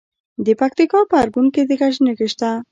د پکتیکا په ارګون کې د ګچ نښې شته.